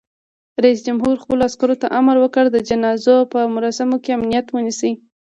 رئیس جمهور خپلو عسکرو ته امر وکړ؛ د جنازو په مراسمو کې امنیت ونیسئ!